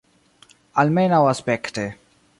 Almenaŭ aspekte.